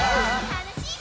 たのしい